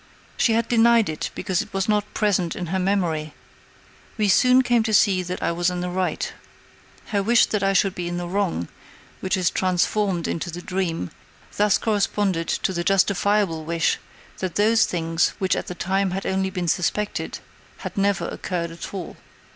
She had denied it because it was not present in her memory. We soon came to see that I was in the right. Her wish that I should be in the wrong, which is transformed into the dream, thus corresponded to the justifiable wish that those things, which at the time had only been suspected, had never occurred at all.